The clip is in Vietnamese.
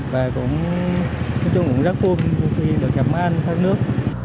và cũng chúng tôi cũng rất buồn khi được gặp mát ngăn sát nước